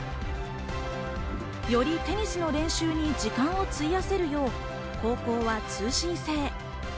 よりテニスの練習に時間を費やせるよう、高校は通信制。